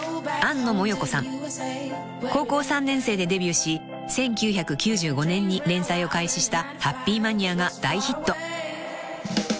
［高校３年生でデビューし１９９５年に連載を開始した『ハッピー・マニア』が大ヒット］